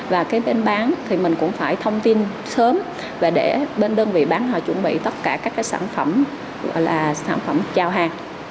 và bên bán thì mình cũng phải thông tin sớm để bên đơn vị bán họ chuẩn bị tất cả các sản phẩm gọi là sản phẩm chào hàng